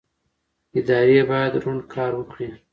ادارې باید روڼ کار وکړي